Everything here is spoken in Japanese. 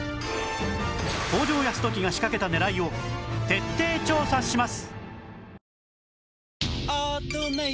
北条泰時が仕掛けた狙いを徹底調査します！